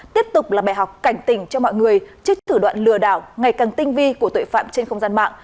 tiếp tục là bài học cảnh tỉnh cho mọi người trước thử đoạn lừa đảo ngày càng tinh vi của tội phạm trên không gian mạng